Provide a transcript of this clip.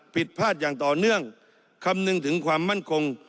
ผิดพลาดอย่างต่อเนื่องคำนึงถึงความมั่นคง